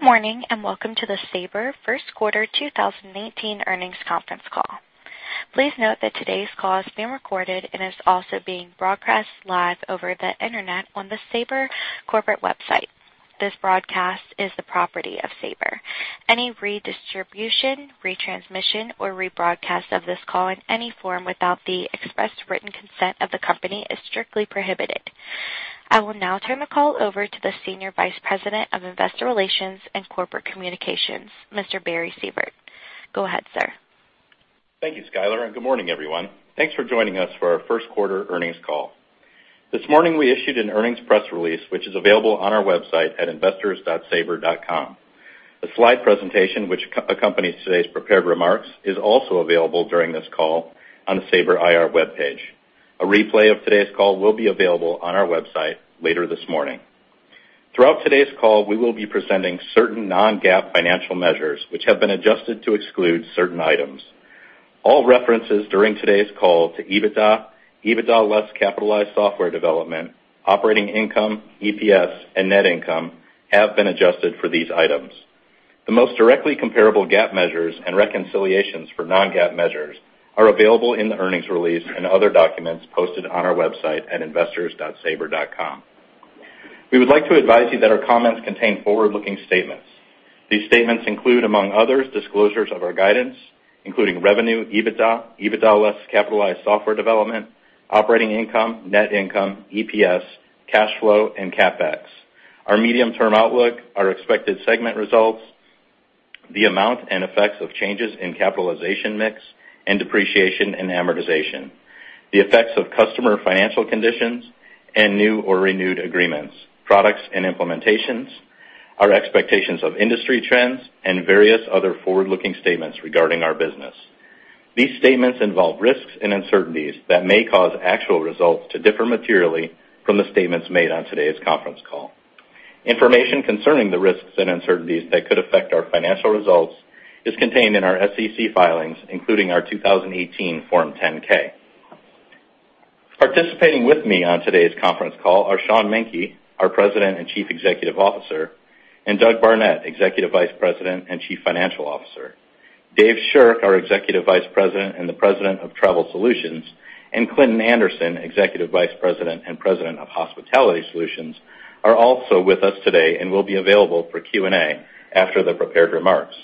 Good morning, and welcome to the Sabre First Quarter 2019 Earnings Conference Call. Please note that today's call is being recorded and is also being broadcast live over the internet on the Sabre corporate website. This broadcast is the property of Sabre. Any redistribution, retransmission, or rebroadcast of this call in any form without the express written consent of the company is strictly prohibited. I will now turn the call over to the Senior Vice President of Investor Relations and Corporate Communications, Mr. Barry Sievert. Go ahead, sir. Thank you, Skyler, and good morning, everyone. Thanks for joining us for our first quarter earnings call. This morning, we issued an earnings press release, which is available on our website at investors.sabre.com. A slide presentation, which accompanies today's prepared remarks, is also available during this call on the Sabre IR webpage. A replay of today's call will be available on our website later this morning. Throughout today's call, we will be presenting certain non-GAAP financial measures, which have been adjusted to exclude certain items. All references during today's call to EBITDA less capitalized software development, operating income, EPS, and net income have been adjusted for these items. The most directly comparable GAAP measures and reconciliations for non-GAAP measures are available in the earnings release and other documents posted on our website at investors.sabre.com. We would like to advise you that our comments contain forward-looking statements. These statements include, among others, disclosures of our guidance, including revenue, EBITDA less capitalized software development, operating income, net income, EPS, cash flow, and CapEx, our medium-term outlook, our expected segment results, the amount and effects of changes in capitalization mix, and depreciation and amortization, the effects of customer financial conditions and new or renewed agreements, products, and implementations, our expectations of industry trends, and various other forward-looking statements regarding our business. These statements involve risks and uncertainties that may cause actual results to differ materially from the statements made on today's conference call. Information concerning the risks and uncertainties that could affect our financial results is contained in our SEC filings, including our 2018 Form 10-K. Participating with me on today's conference call are Sean Menke, our President and Chief Executive Officer, and Doug Barnett, Executive Vice President and Chief Financial Officer. Dave Shirk, our Executive Vice President and the President of Travel Solutions, and Clinton Anderson, Executive Vice President and President of Hospitality Solutions, are also with us today and will be available for Q&A after the prepared remarks.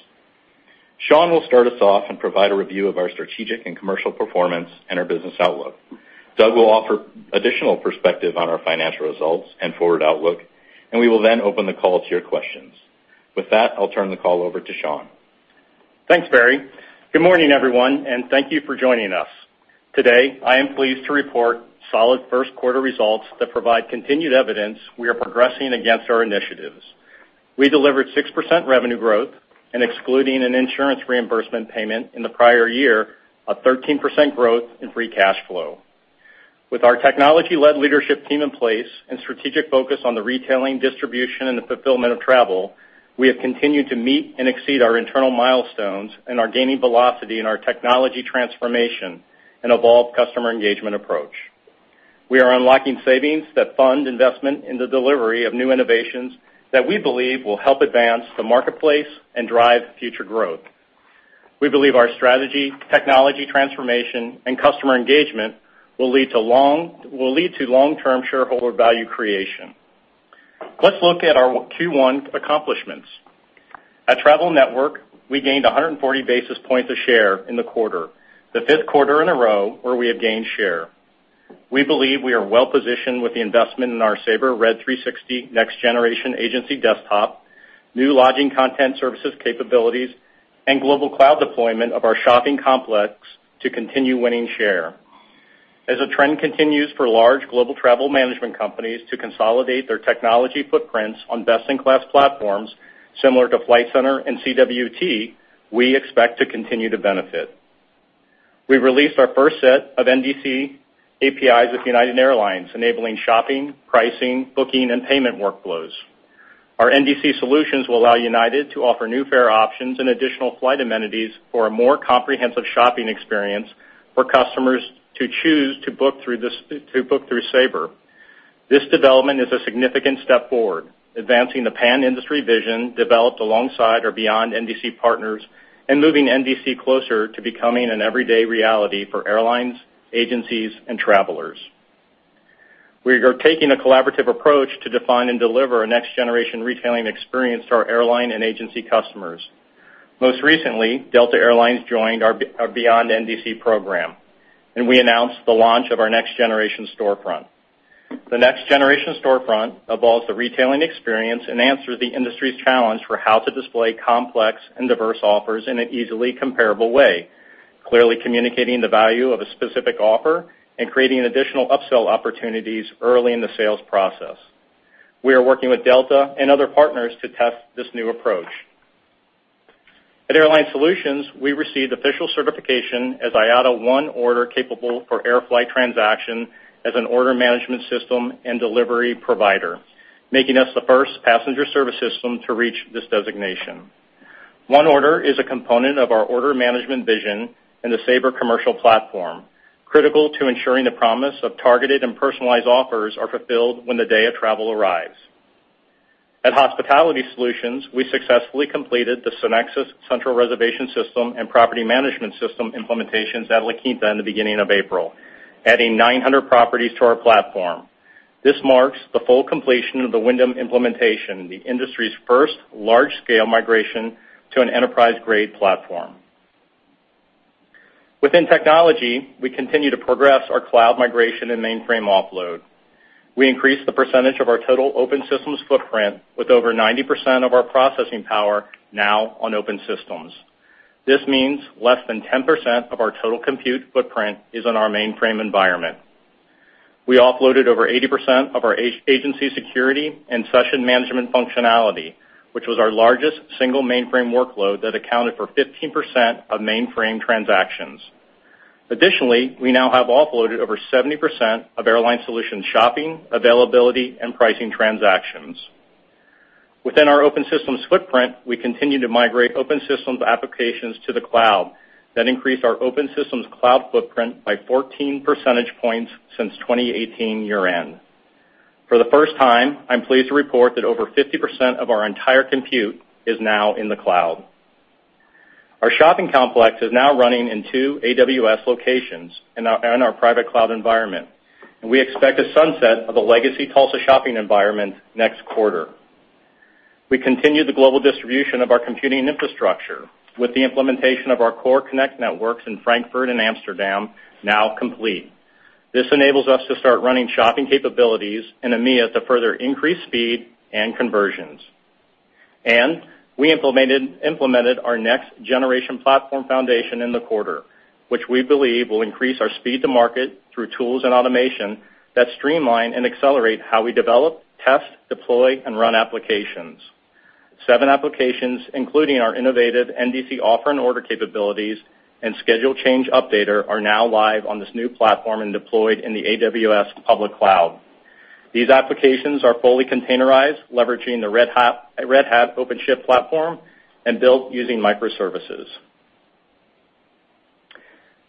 Sean will start us off and provide a review of our strategic and commercial performance and our business outlook. Doug will offer additional perspective on our financial results and forward outlook. We will then open the call to your questions. With that, I'll turn the call over to Sean. Thanks, Barry. Good morning, everyone, and thank you for joining us. Today, I am pleased to report solid first-quarter results that provide continued evidence we are progressing against our initiatives. We delivered 6% revenue growth and excluding an insurance reimbursement payment in the prior year, a 13% growth in free cash flow. With our technology-led leadership team in place and strategic focus on the retailing distribution and the fulfillment of travel, we have continued to meet and exceed our internal milestones and are gaining velocity in our technology transformation and evolved customer engagement approach. We are unlocking savings that fund investment in the delivery of new innovations that we believe will help advance the marketplace and drive future growth. We believe our strategy, technology transformation, and customer engagement will lead to long-term shareholder value creation. Let's look at our Q1 accomplishments. At Travel Network, we gained 140 basis points of share in the quarter, the fifth quarter in a row where we have gained share. We believe we are well-positioned with the investment in our Sabre Red 360 next-generation agency desktop, new Lodging Content Services capabilities, and global cloud deployment of our shopping complex to continue winning share. As the trend continues for large global travel management companies to consolidate their technology footprints on best-in-class platforms, similar to Flight Centre and CWT, we expect to continue to benefit. We've released our first set of NDC APIs with United Airlines, enabling shopping, pricing, booking, and payment workflows. Our NDC solutions will allow United to offer new fare options and additional flight amenities for a more comprehensive shopping experience for customers to choose to book through Sabre. This development is a significant step forward, advancing the pan-industry vision developed alongside our Beyond NDC partners and moving NDC closer to becoming an everyday reality for airlines, agencies, and travelers. We are taking a collaborative approach to define and deliver a next-generation retailing experience to our airline and agency customers. Most recently, Delta Air Lines joined our Beyond NDC program, and we announced the launch of our Next Generation Storefront. The Next Generation Storefront evolves the retailing experience and answers the industry's challenge for how to display complex and diverse offers in an easily comparable way, clearly communicating the value of a specific offer and creating additional upsell opportunities early in the sales process. We are working with Delta and other partners to test this new approach. At Airline Solutions, we received official certification as IATA ONE Order capable for Air Flight transaction as an order management system and delivery provider, making us the first passenger service system to reach this designation. ONE Order is a component of our order management vision in the Sabre Commercial Platform, critical to ensuring the promise of targeted and personalized offers are fulfilled when the day of travel arrives. At Hospitality Solutions, we successfully completed the SynXis central reservation system and property management system implementations at La Quinta in the beginning of April, adding 900 properties to our platform. This marks the full completion of the Wyndham implementation, the industry's first large-scale migration to an enterprise-grade platform. Within technology, we continue to progress our cloud migration and mainframe offload. We increased the percentage of our total open systems footprint with over 90% of our processing power now on open systems. This means less than 10% of our total compute footprint is on our mainframe environment. We offloaded over 80% of our agency security and session management functionality, which was our largest single mainframe workload that accounted for 15% of mainframe transactions. Additionally, we now have offloaded over 70% of Airline Solutions shopping, availability, and pricing transactions. Within our open systems footprint, we continue to migrate open systems applications to the cloud that increase our open systems cloud footprint by 14 percentage points since 2018 year-end. For the first time, I'm pleased to report that over 50% of our entire compute is now in the cloud. Our shopping complex is now running in two AWS locations and our private cloud environment. We expect a sunset of the legacy Tulsa shopping environment next quarter. We continue the global distribution of our computing infrastructure with the implementation of our CoreConnect networks in Frankfurt and Amsterdam now complete. This enables us to start running shopping capabilities in EMEA to further increase speed and conversions. We implemented our next generation platform foundation in the quarter, which we believe will increase our speed to market through tools and automation that streamline and accelerate how we develop, test, deploy, and run applications. Seven applications, including our innovative NDC offer and order capabilities and schedule change updater, are now live on this new platform and deployed in the AWS public cloud. These applications are fully containerized, leveraging the Red Hat OpenShift platform and built using microservices.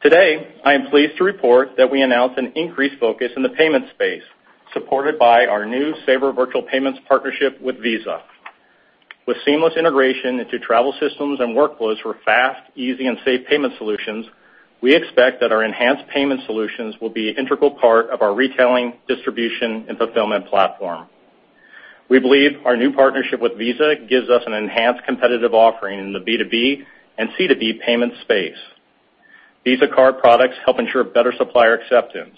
Today, I am pleased to report that we announced an increased focus in the payment space, supported by our new Sabre Virtual Payments partnership with Visa. With seamless integration into travel systems and workflows for fast, easy, and safe payment solutions, we expect that our enhanced payment solutions will be an integral part of our retailing, distribution, and fulfillment platform. We believe our new partnership with Visa gives us an enhanced competitive offering in the B2B and C2B payment space. Visa card products help ensure better supplier acceptance.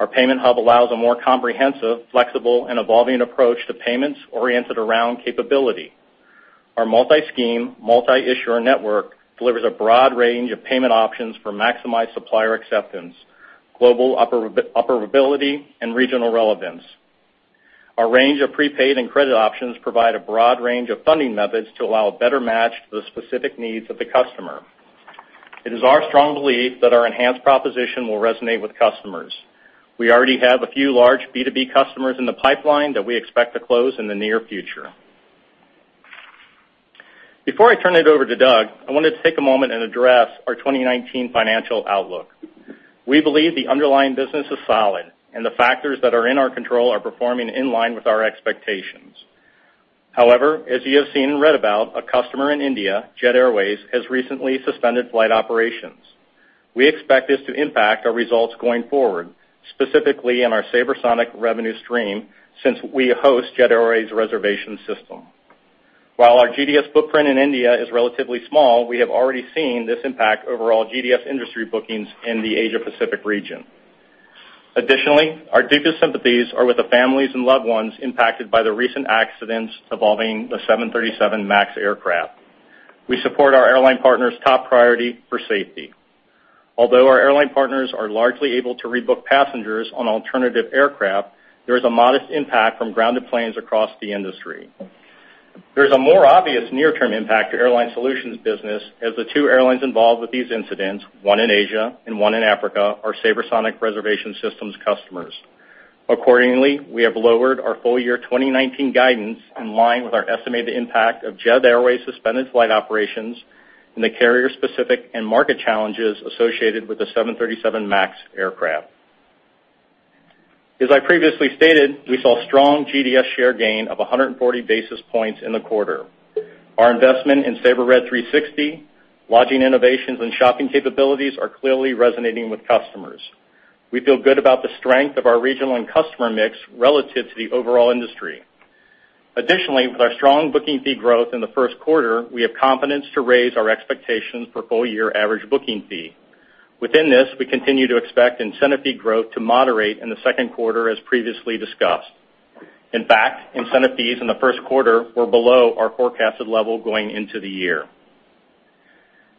Our payment hub allows a more comprehensive, flexible, and evolving approach to payments oriented around capability. Our multi-scheme, multi-issuer network delivers a broad range of payment options for maximized supplier acceptance, global operability, and regional relevance. Our range of prepaid and credit options provide a broad range of funding methods to allow a better match to the specific needs of the customer. It is our strong belief that our enhanced proposition will resonate with customers. We already have a few large B2B customers in the pipeline that we expect to close in the near future. Before I turn it over to Doug, I wanted to take a moment and address our 2019 financial outlook. We believe the underlying business is solid, and the factors that are in our control are performing in line with our expectations. However, as you have seen and read about, a customer in India, Jet Airways, has recently suspended flight operations. We expect this to impact our results going forward, specifically in our SabreSonic revenue stream since we host Jet Airways' reservation system. While our GDS footprint in India is relatively small, we have already seen this impact overall GDS industry bookings in the Asia-Pacific region. Additionally, our deepest sympathies are with the families and loved ones impacted by the recent accidents involving the 737 MAX aircraft. We support our airline partners' top priority for safety. Although our airline partners are largely able to rebook passengers on alternative aircraft, there is a modest impact from grounded planes across the industry. There is a more obvious near-term impact to Airline Solutions business as the two airlines involved with these incidents, one in Asia and one in Africa, are SabreSonic reservation systems customers. Accordingly, we have lowered our full year 2019 guidance in line with our estimated impact of Jet Airways' suspended flight operations and the carrier-specific and market challenges associated with the 737 MAX aircraft. As I previously stated, we saw strong GDS share gain of 140 basis points in the quarter. Our investment in Sabre Red 360, lodging innovations, and shopping capabilities are clearly resonating with customers. We feel good about the strength of our regional and customer mix relative to the overall industry. With our strong booking fee growth in the first quarter, we have confidence to raise our expectations for full-year average booking fee. Within this, we continue to expect incentive fee growth to moderate in the second quarter, as previously discussed. In fact, incentive fees in the first quarter were below our forecasted level going into the year.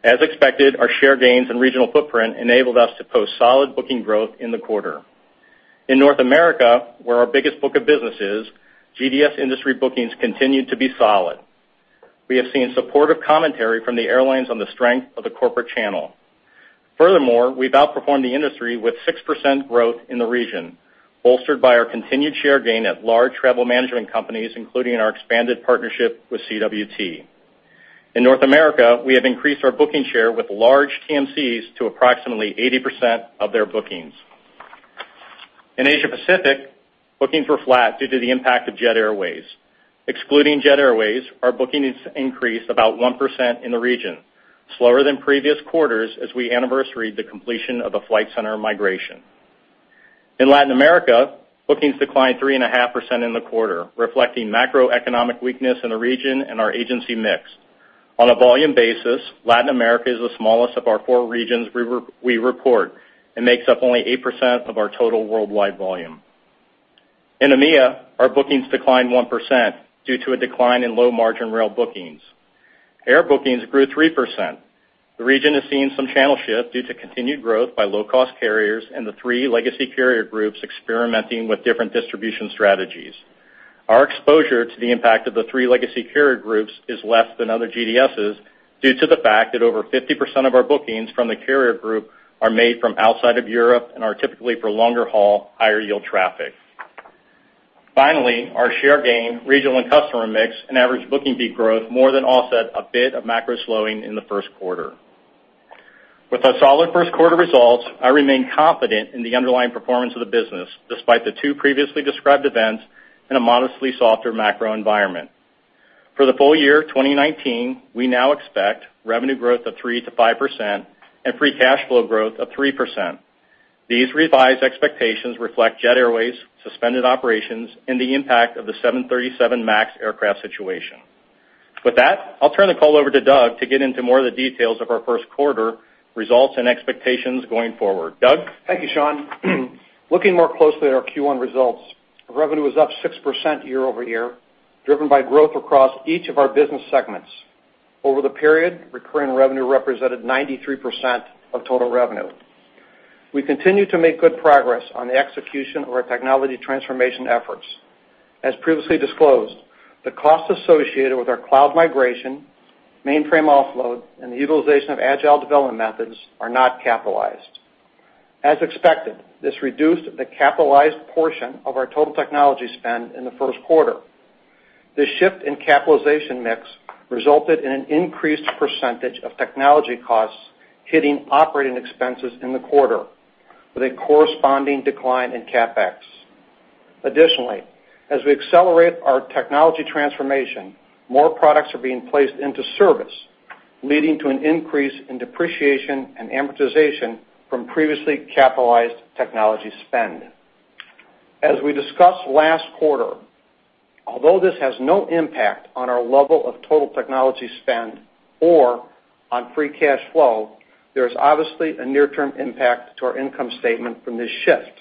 As expected, our share gains and regional footprint enabled us to post solid booking growth in the quarter. In North America, where our biggest book of business is, GDS industry bookings continued to be solid. We have seen supportive commentary from the airlines on the strength of the corporate channel. Furthermore, we've outperformed the industry with 6% growth in the region, bolstered by our continued share gain at large travel management companies, including our expanded partnership with CWT. In North America, we have increased our booking share with large TMCs to approximately 80% of their bookings. In Asia Pacific, bookings were flat due to the impact of Jet Airways. Excluding Jet Airways, our bookings increased about 1% in the region, slower than previous quarters as we anniversaried the completion of a Flight Centre migration. In Latin America, bookings declined 3.5% in the quarter, reflecting macroeconomic weakness in the region and our agency mix. On a volume basis, Latin America is the smallest of our four regions we report and makes up only 8% of our total worldwide volume. In EMEA, our bookings declined 1% due to a decline in low-margin rail bookings. Air bookings grew 3%. The region has seen some channel shift due to continued growth by low-cost carriers and the three legacy carrier groups experimenting with different distribution strategies. Our exposure to the impact of the three legacy carrier groups is less than other GDSs due to the fact that over 50% of our bookings from the carrier group are made from outside of Europe and are typically for longer haul, higher yield traffic. Our share gain, regional and customer mix and average booking fee growth more than offset a bit of macro slowing in the first quarter. With our solid first quarter results, I remain confident in the underlying performance of the business, despite the two previously described events and a modestly softer macro environment. For the full year 2019, we now expect revenue growth of 3% to 5% and free cash flow growth of 3%. These revised expectations reflect Jet Airways' suspended operations and the impact of the 737 MAX aircraft situation. With that, I'll turn the call over to Doug to get into more of the details of our first quarter results and expectations going forward. Doug? Thank you, Sean. Looking more closely at our Q1 results, revenue was up 6% year-over-year, driven by growth across each of our business segments. Over the period, recurring revenue represented 93% of total revenue. We continue to make good progress on the execution of our technology transformation efforts. As previously disclosed, the cost associated with our cloud migration, mainframe offload, and the utilization of agile development methods are not capitalized. As expected, this reduced the capitalized portion of our total technology spend in the first quarter. This shift in capitalization mix resulted in an increased percentage of technology costs hitting operating expenses in the quarter with a corresponding decline in CapEx. Additionally, as we accelerate our technology transformation, more products are being placed into service, leading to an increase in depreciation and amortization from previously capitalized technology spend. As we discussed last quarter, although this has no impact on our level of total technology spend or on free cash flow, there is obviously a near-term impact to our income statement from this shift.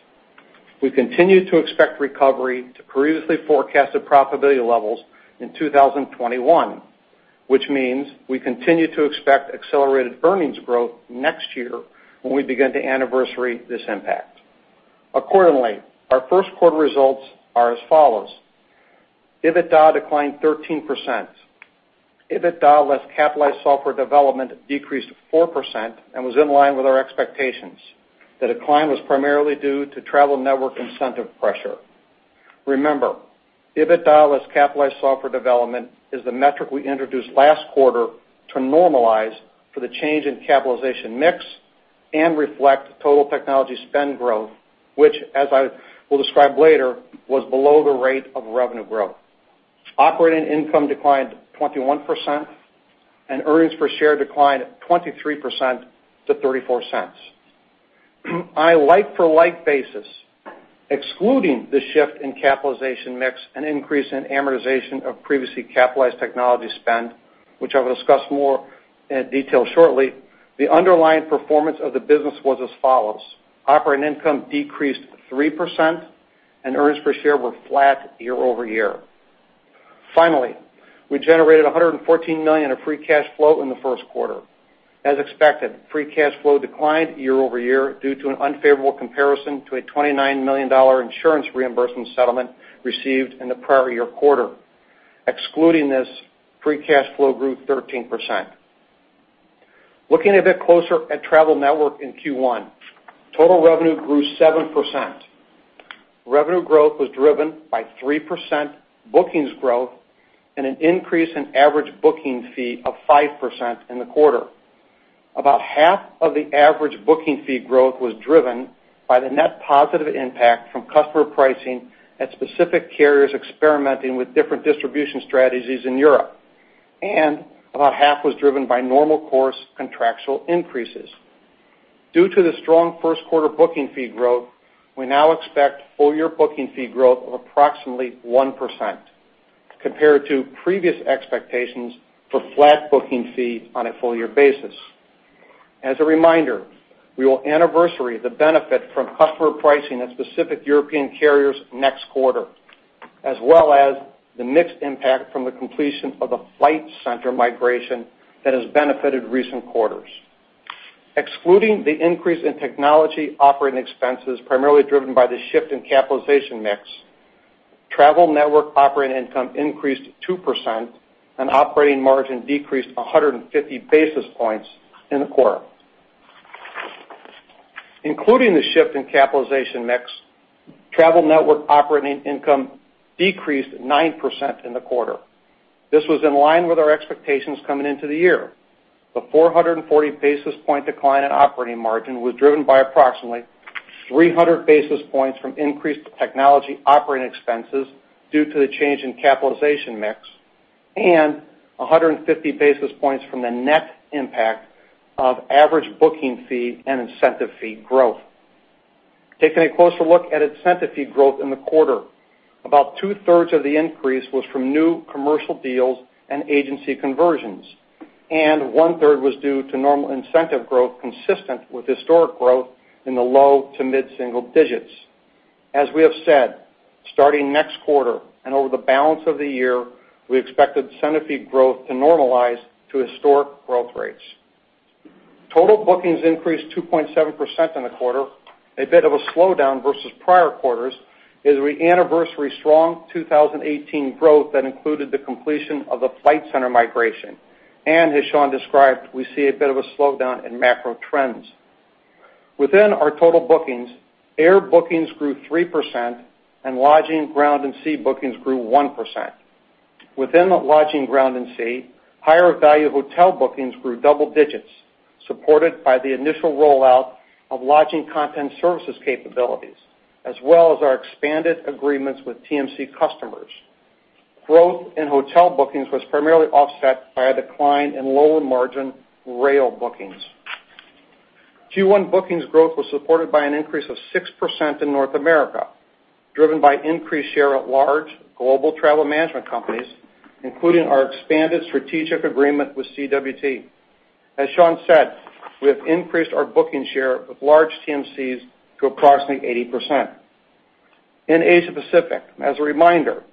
We continue to expect recovery to previously forecasted profitability levels in 2021, which means we continue to expect accelerated earnings growth next year when we begin to anniversary this impact. Accordingly, our first quarter results are as follows. EBITDA declined 13%. EBITDA less capitalized software development decreased 4% and was in line with our expectations. The decline was primarily due to Travel Network incentive pressure. Remember, EBITDA less capitalized software development is the metric we introduced last quarter to normalize for the change in capitalization mix and reflect total technology spend growth, which as I will describe later, was below the rate of revenue growth. Operating income declined 21%, and earnings per share declined 23% to $0.34. On a like-for-like basis, excluding the shift in capitalization mix and increase in amortization of previously capitalized technology spend, which I will discuss more in detail shortly, the underlying performance of the business was as follows: operating income decreased 3%, and earnings per share were flat year-over-year. Finally, we generated $114 million of free cash flow in the first quarter. As expected, free cash flow declined year-over-year due to an unfavorable comparison to a $29 million insurance reimbursement settlement received in the prior year quarter. Excluding this, free cash flow grew 13%. Looking a bit closer at Travel Network in Q1, total revenue grew 7%. Revenue growth was driven by 3% bookings growth and an increase in average booking fee of 5% in the quarter. About half of the average booking fee growth was driven by the net positive impact from customer pricing at specific carriers experimenting with different distribution strategies in Europe, and about half was driven by normal course contractual increases. Due to the strong first quarter booking fee growth, we now expect full-year booking fee growth of approximately 1% compared to previous expectations for flat booking fee on a full-year basis. As a reminder, we will anniversary the benefit from customer pricing at specific European carriers next quarter, as well as the mixed impact from the completion of the Flight Centre migration that has benefited recent quarters. Excluding the increase in technology operating expenses, primarily driven by the shift in capitalization mix, Travel Network operating income increased 2%, and operating margin decreased 150 basis points in the quarter. Including the shift in capitalization mix, Travel Network operating income decreased 9% in the quarter. This was in line with our expectations coming into the year. The 440 basis point decline in operating margin was driven by approximately 300 basis points from increased technology operating expenses due to the change in capitalization mix, and 150 basis points from the net impact of average booking fee and incentive fee growth. Taking a closer look at incentive fee growth in the quarter, about two-thirds of the increase was from new commercial deals and agency conversions, and one-third was due to normal incentive growth consistent with historic growth in the low to mid-single digits. As we have said, starting next quarter and over the balance of the year, we expect incentive fee growth to normalize to historic growth rates. Total bookings increased 2.7% in the quarter, a bit of a slowdown versus prior quarters as we anniversary strong 2018 growth that included the completion of the Flight Centre migration. As Sean described, we see a bit of a slowdown in macro trends. Within our total bookings, air bookings grew 3%, and lodging, ground, and sea bookings grew 1%. Within the lodging, ground, and sea, higher value hotel bookings grew double digits, supported by the initial rollout of Lodging Content Services capabilities, as well as our expanded agreements with TMC customers. Growth in hotel bookings was primarily offset by a decline in lower margin rail bookings. Q1 bookings growth was supported by an increase of 6% in North America, driven by increased share at large global travel management companies, including our expanded strategic agreement with CWT. As Sean said, we have increased our booking share with large TMCs to approximately 80%. In Asia Pacific, as a reminder,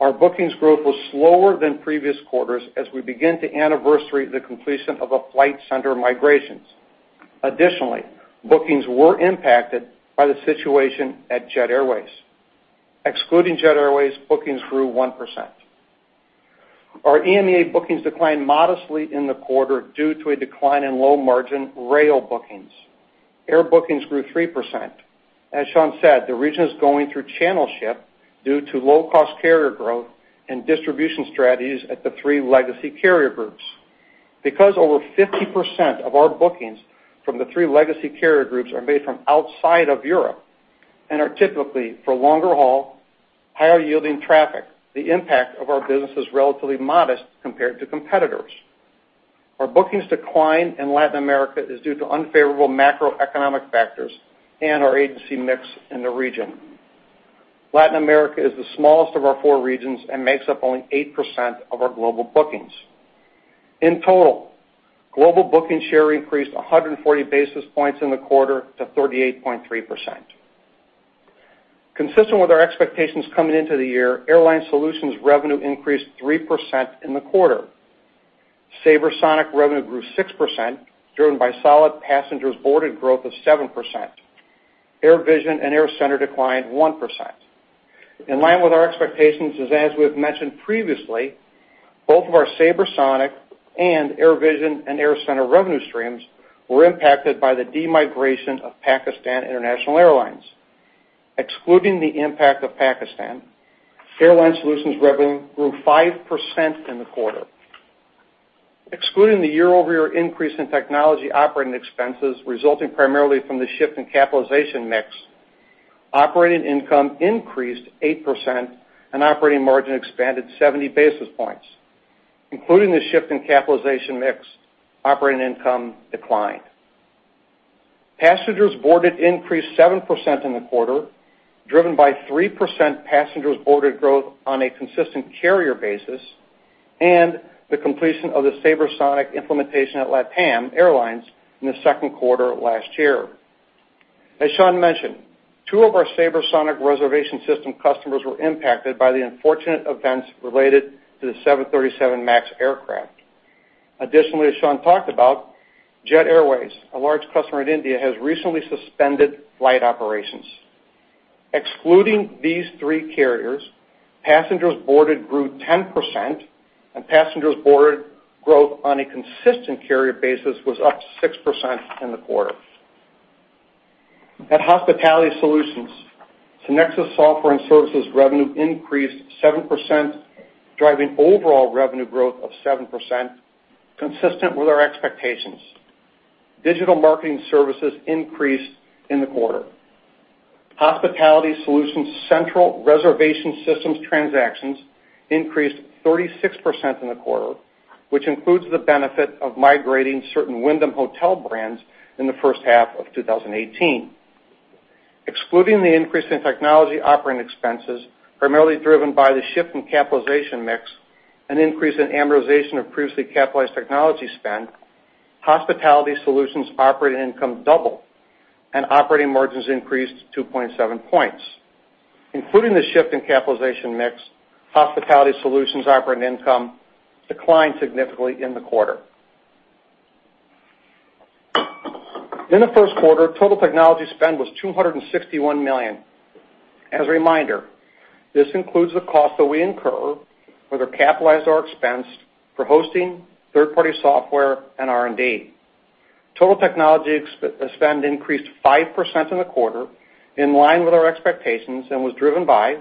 our bookings growth was slower than previous quarters as we begin to anniversary the completion of the Flight Centre migrations. Additionally, bookings were impacted by the situation at Jet Airways. Excluding Jet Airways, bookings grew 1%. Our EMEA bookings declined modestly in the quarter due to a decline in low margin rail bookings. Air bookings grew 3%. As Sean said, the region is going through channel shift due to low cost carrier growth and distribution strategies at the three legacy carrier groups. Because over 50% of our bookings from the three legacy carrier groups are made from outside of Europe and are typically for longer haul, higher yielding traffic, the impact of our business is relatively modest compared to competitors. Our bookings decline in Latin America is due to unfavorable macroeconomic factors and our agency mix in the region. Latin America is the smallest of our four regions and makes up only 8% of our global bookings. In total, global booking share increased 140 basis points in the quarter to 38.3%. Consistent with our expectations coming into the year, Sabre Airline Solutions revenue increased 3% in the quarter. SabreSonic revenue grew 6%, driven by solid passengers boarded growth of 7%. AirVision and AirCentre declined 1%. In line with our expectations, as we have mentioned previously, both of our SabreSonic and AirVision and AirCentre revenue streams were impacted by the de-migration of Pakistan International Airlines. Excluding the impact of Pakistan, Sabre Airline Solutions revenue grew 5% in the quarter. Excluding the year-over-year increase in technology operating expenses resulting primarily from the shift in capitalization mix, operating income increased 8% and operating margin expanded 70 basis points. Including the shift in capitalization mix, operating income declined. Passengers boarded increased 7% in the quarter, driven by 3% passengers boarded growth on a consistent carrier basis and the completion of the SabreSonic implementation at LATAM Airlines in the second quarter of last year. As Sean mentioned, two of our SabreSonic reservation system customers were impacted by the unfortunate events related to the 737 MAX aircraft. Additionally, as Sean talked about, Jet Airways, a large customer in India, has recently suspended flight operations. Excluding these three carriers, passengers boarded grew 10%, and passengers boarded growth on a consistent carrier basis was up 6% in the quarter. At Sabre Hospitality Solutions, SynXis software and services revenue increased 7%, driving overall revenue growth of 7%, consistent with our expectations. Digital marketing services increased in the quarter. Sabre Hospitality Solutions central reservation systems transactions increased 36% in the quarter, which includes the benefit of migrating certain Wyndham hotel brands in the first half of 2018. Excluding the increase in technology operating expenses, primarily driven by the shift in capitalization mix, an increase in amortization of previously capitalized technology spend, Sabre Hospitality Solutions operating income doubled, and operating margins increased 2.7 points. Including the shift in capitalization mix, Sabre Hospitality Solutions operating income declined significantly in the quarter. In the first quarter, total technology spend was $261 million. As a reminder, this includes the cost that we incur, whether capitalized or expensed, for hosting third-party software and R&D. Total technology spend increased 5% in the quarter, in line with our expectations, was driven by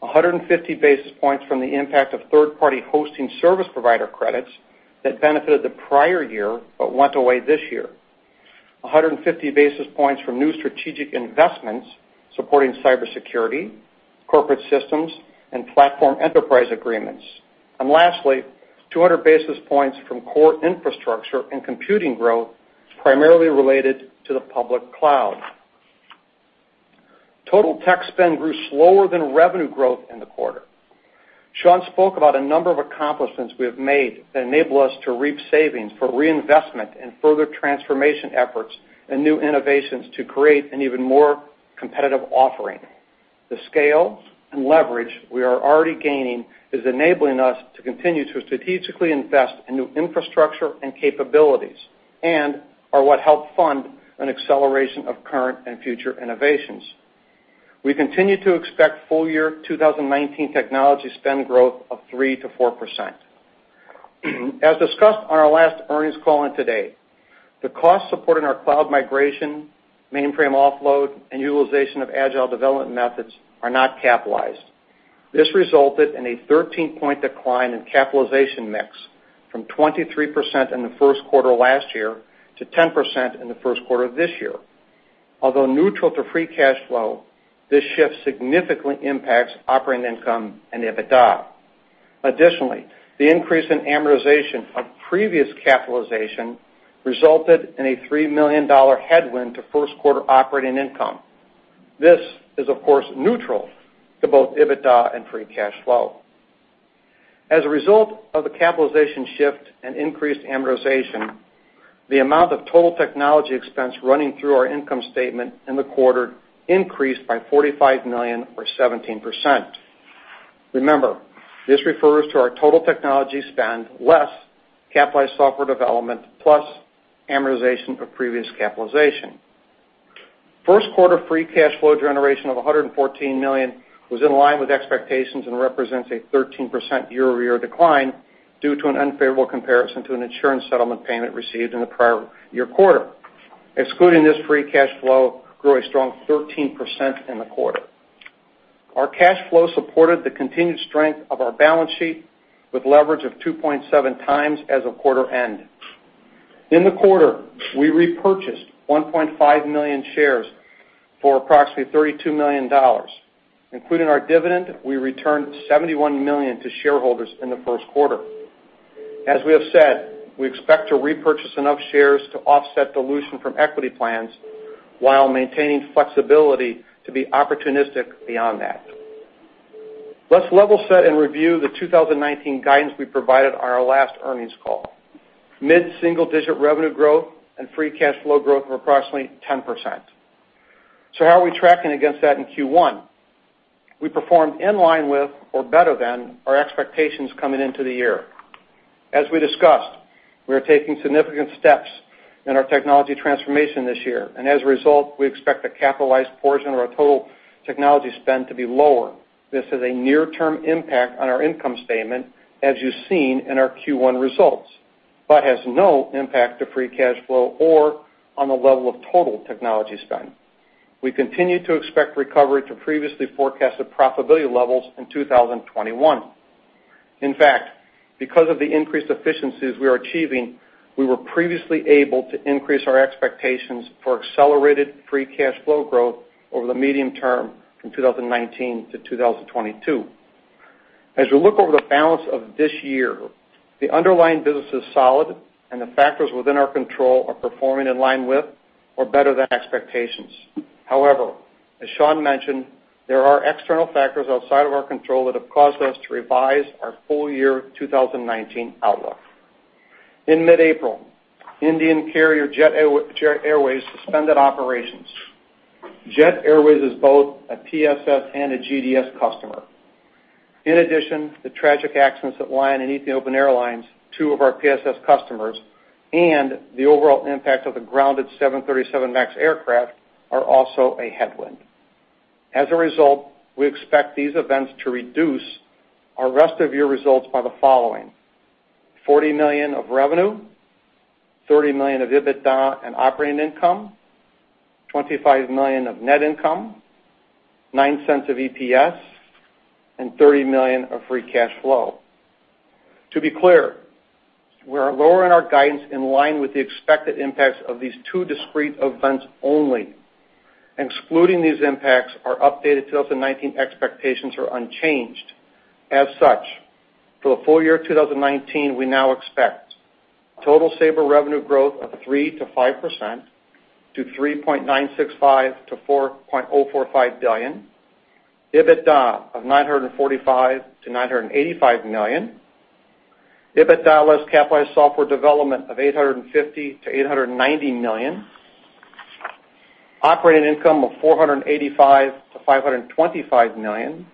150 basis points from the impact of third-party hosting service provider credits that benefited the prior year, but went away this year. 150 basis points from new strategic investments supporting cybersecurity, corporate systems, and platform enterprise agreements. Lastly, 200 basis points from core infrastructure and computing growth, primarily related to the public cloud. Total tech spend grew slower than revenue growth in the quarter. Sean spoke about a number of accomplishments we have made that enable us to reap savings for reinvestment in further transformation efforts and new innovations to create an even more competitive offering. The scale and leverage we are already gaining is enabling us to continue to strategically invest in new infrastructure and capabilities and are what help fund an acceleration of current and future innovations. We continue to expect full year 2019 technology spend growth of 3%-4%. As discussed on our last earnings call and today, the cost supporting our cloud migration, mainframe offload, and utilization of agile development methods are not capitalized. This resulted in a 13-point decline in capitalization mix from 23% in the first quarter last year to 10% in the first quarter of this year. Although neutral to free cash flow, this shift significantly impacts operating income and EBITDA. Additionally, the increase in amortization of previous capitalization resulted in a $3 million headwind to first quarter operating income. This is, of course, neutral to both EBITDA and free cash flow. As a result of the capitalization shift and increased amortization, the amount of total technology expense running through our income statement in the quarter increased by $45 million or 17%. Remember, this refers to our total technology spend, less capitalized software development, plus amortization of previous capitalization. First quarter free cash flow generation of $114 million was in line with expectations and represents a 13% year-over-year decline due to an unfavorable comparison to an insurance settlement payment received in the prior year quarter. Excluding this, free cash flow grew a strong 13% in the quarter. Our cash flow supported the continued strength of our balance sheet with leverage of 2.7 times as of quarter end. In the quarter, we repurchased 1.5 million shares for approximately $32 million. Including our dividend, we returned $71 million to shareholders in the first quarter. As we have said, we expect to repurchase enough shares to offset dilution from equity plans while maintaining flexibility to be opportunistic beyond that. Let's level set and review the 2019 guidance we provided on our last earnings call. Mid-single-digit revenue growth and free cash flow growth of approximately 10%. How are we tracking against that in Q1? We performed in line with or better than our expectations coming into the year. As we discussed, we are taking significant steps in our technology transformation this year. As a result, we expect the capitalized portion of our total technology spend to be lower. This is a near-term impact on our income statement, as you've seen in our Q1 results, but has no impact to free cash flow or on the level of total technology spend. We continue to expect recovery to previously forecasted profitability levels in 2021. In fact, because of the increased efficiencies we are achieving, we were previously able to increase our expectations for accelerated free cash flow growth over the medium term from 2019 to 2022. As we look over the balance of this year, the underlying business is solid. The factors within our control are performing in line with or better than expectations. However, as Sean Menke mentioned, there are external factors outside of our control that have caused us to revise our full year 2019 outlook. In mid-April, Indian carrier Jet Airways suspended operations. Jet Airways is both a PSS and a GDS customer. In addition, the tragic accidents at Lion Air and Ethiopian Airlines, two of our PSS customers, and the overall impact of the grounded 737 MAX aircraft are also a headwind. As a result, we expect these events to reduce our rest of year results by the following: $40 million of revenue, $30 million of EBITDA and operating income, $25 million of net income, $0.09 of EPS, and $30 million of free cash flow. To be clear, we are lowering our guidance in line with the expected impacts of these two discrete events only. Excluding these impacts, our updated 2019 expectations are unchanged. As such, for the full year 2019, we now expect total Sabre revenue growth of 3%-5%, to $3.965 billion-$4.045 billion, EBITDA of $945 million-$985 million, EBITDA less capitalized software development of $850 million-$890 million, operating income of $485 million-$525 million,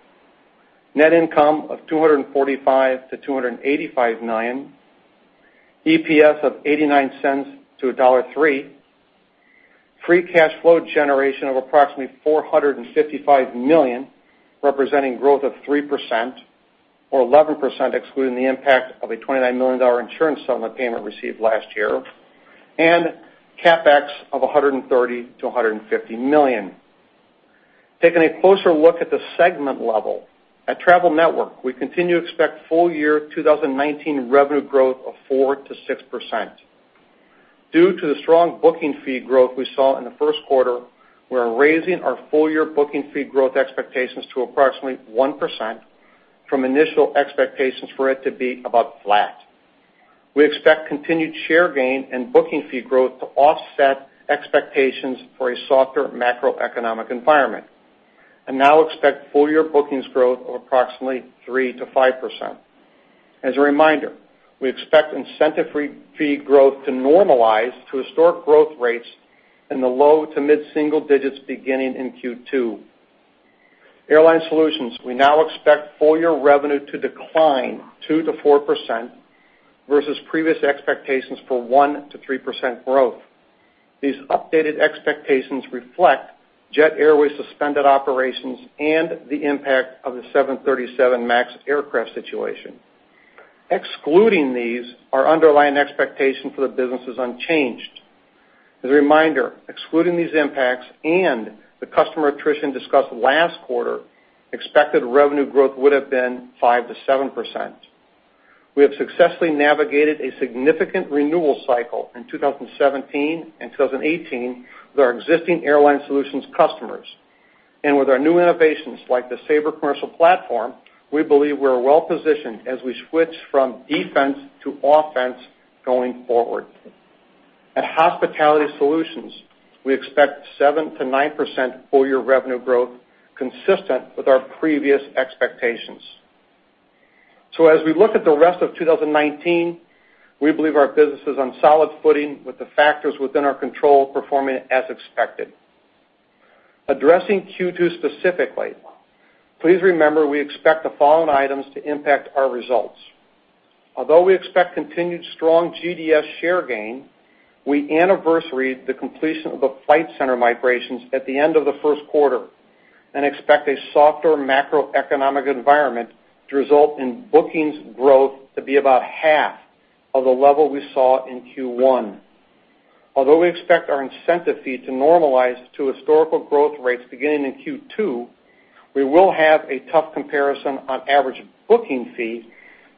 net income of $245 million-$285 million, EPS of $0.89-$1.03, free cash flow generation of approximately $455 million, representing growth of 3%, or 11% excluding the impact of a $29 million insurance settlement payment received last year, and CapEx of $130 million-$150 million. Taking a closer look at the segment level, at Travel Network, we continue to expect full year 2019 revenue growth of 4%-6%. Due to the strong booking fee growth we saw in the first quarter, we are raising our full-year booking fee growth expectations to approximately 1% from initial expectations for it to be about flat. We expect continued share gain and booking fee growth to offset expectations for a softer macroeconomic environment and now expect full-year bookings growth of approximately 3%-5%. As a reminder, we expect incentive fee growth to normalize to historic growth rates in the low to mid-single digits beginning in Q2. Airline Solutions, we now expect full-year revenue to decline 2%-4% versus previous expectations for 1%-3% growth. These updated expectations reflect Jet Airways' suspended operations and the impact of the 737 MAX aircraft situation. Excluding these, our underlying expectation for the business is unchanged. As a reminder, excluding these impacts and the customer attrition discussed last quarter, expected revenue growth would have been 5%-7%. We have successfully navigated a significant renewal cycle in 2017 and 2018 with our existing Airline Solutions customers. With our new innovations like the Sabre Commercial Platform, we believe we are well-positioned as we switch from defense to offense going forward. At Hospitality Solutions, we expect 7%-9% full-year revenue growth consistent with our previous expectations. As we look at the rest of 2019, we believe our business is on solid footing with the factors within our control performing as expected. Addressing Q2 specifically, please remember we expect the following items to impact our results. Although we expect continued strong GDS share gain, we anniversary the completion of the Flight Centre migrations at the end of the first quarter and expect a softer macroeconomic environment to result in bookings growth to be about half of the level we saw in Q1. Although we expect our incentive fee to normalize to historical growth rates beginning in Q2, we will have a tough comparison on average booking fee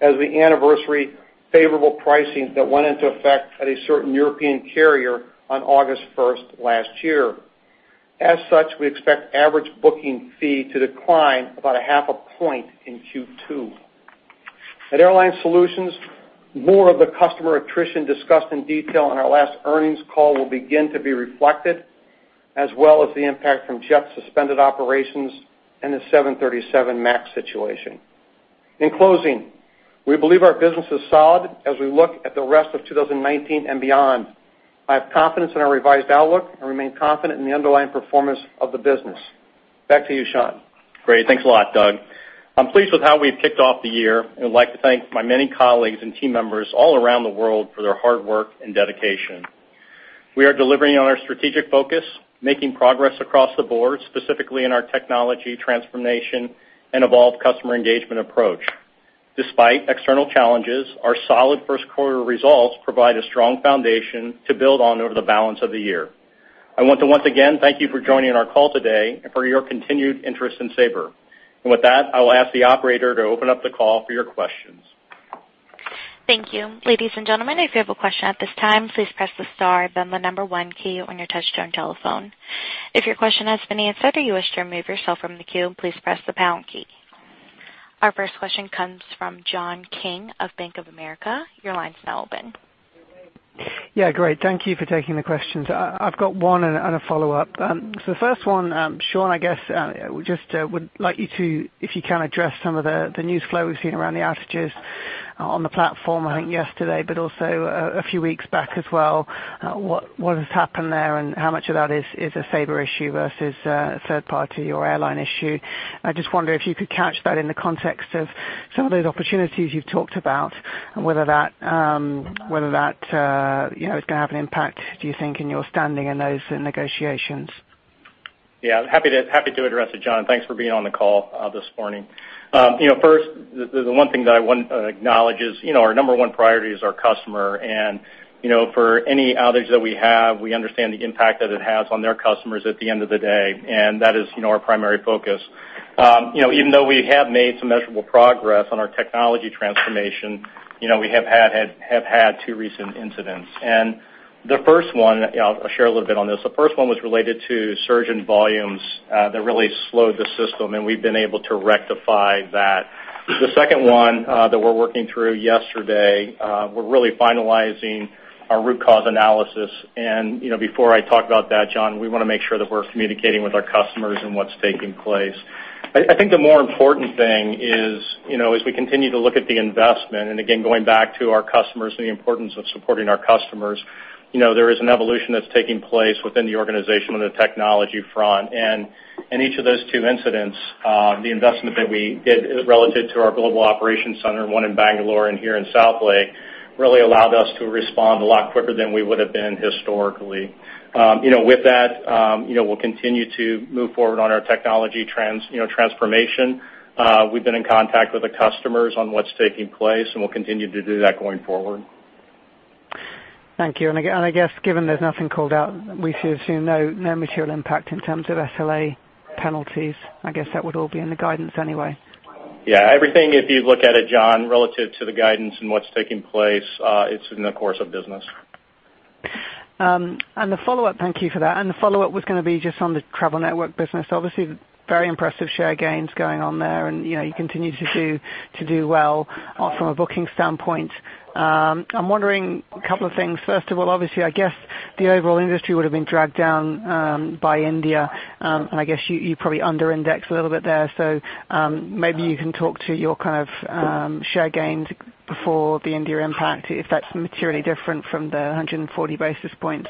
as we anniversary favorable pricing that went into effect at a certain European carrier on August 1st last year. As such, we expect average booking fee to decline about 0.5 point in Q2. At Airline Solutions, more of the customer attrition discussed in detail on our last earnings call will begin to be reflected, as well as the impact from Jet's suspended operations and the 737 MAX situation. In closing, we believe our business is solid as we look at the rest of 2019 and beyond. I have confidence in our revised outlook and remain confident in the underlying performance of the business. Back to you, Sean. Great. Thanks a lot, Doug. I'm pleased with how we've kicked off the year and would like to thank my many colleagues and team members all around the world for their hard work and dedication. We are delivering on our strategic focus, making progress across the board, specifically in our technology transformation and evolved customer engagement approach. Despite external challenges, our solid first quarter results provide a strong foundation to build on over the balance of the year. I want to once again thank you for joining our call today and for your continued interest in Sabre. With that, I will ask the operator to open up the call for your questions. Thank you. Ladies and gentlemen, if you have a question at this time, please press the star, then the number one key on your touchtone telephone. If your question has been answered or you wish to remove yourself from the queue, please press the pound key. Our first question comes from John King of Bank of America. Your line's now open. Yeah, great. Thank you for taking the questions. I've got one and a follow-up. The first one, Sean, I guess, just would like you to, if you can, address some of the news flow we've seen around the outages on the platform, I think yesterday, but also a few weeks back as well. What has happened there and how much of that is a Sabre issue versus a third party or airline issue? I just wonder if you could couch that in the context of some of those opportunities you've talked about and whether that is going to have an impact, do you think, in your standing in those negotiations? Yeah, happy to address it, John. Thanks for being on the call this morning. First, the number one priority is our customer. For any outage that we have, we understand the impact that it has on their customers at the end of the day, and that is our primary focus. Even though we have made some measurable progress on our technology transformation, we have had two recent incidents. I'll share a little bit on this. The first one was related to surge in volumes that really slowed the system, and we've been able to rectify that. The second one that we're working through yesterday, we're really finalizing our root cause analysis. Before I talk about that, John, we want to make sure that we're communicating with our customers on what's taking place. I think the more important thing is, as we continue to look at the investment, again, going back to our customers and the importance of supporting our customers, there is an evolution that's taking place within the organization on the technology front. In each of those two incidents, the investment that we did relative to our global operations center, one in Bangalore and here in Southlake, really allowed us to respond a lot quicker than we would have been historically. With that, we'll continue to move forward on our technology transformation. We've been in contact with the customers on what's taking place, and we'll continue to do that going forward. Thank you. I guess given there's nothing called out, we should assume no material impact in terms of SLA penalties. I guess that would all be in the guidance anyway. Yeah. Everything, if you look at it, John, relative to the guidance and what's taking place, it's in the course of business. Thank you for that. The follow-up was going to be just on the Sabre Travel Network business. Obviously, very impressive share gains going on there, and you continue to do well from a booking standpoint. I'm wondering a couple of things. First of all, obviously, I guess the overall industry would have been dragged down by India, and I guess you probably under-indexed a little bit there. Maybe you can talk to your kind of share gains before the India impact, if that's materially different from the 140 basis points.